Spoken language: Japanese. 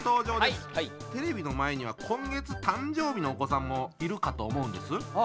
テレビの前には今月誕生日のお子さんもいるかと思うんです。